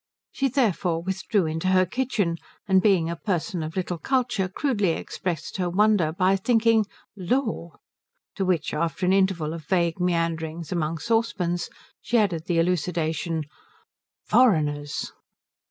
She, therefore, withdrew into her kitchen, and being a person of little culture crudely expressed her wonder by thinking "Lor." To which, after an interval of vague meanderings among saucepans, she added the elucidation, "Foreigners."